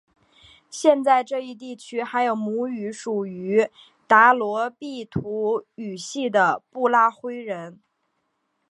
现在这一地区还有母语属于达罗毗荼语系的布拉灰人。